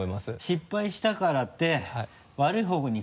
失敗したからって悪い方向にいくとか。